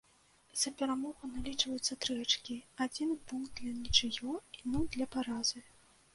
За перамогу налічваюцца тры ачкі, адзін пункт для нічыёй і нуль для паразы.